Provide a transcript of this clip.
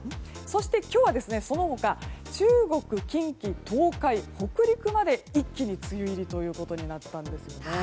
そして今日はその他中国、近畿・東海、北陸まで一気に梅雨入りになったんです。